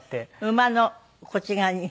馬のこっち側に。